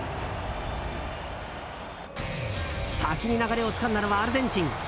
先に流れをつかんだのはアルゼンチン。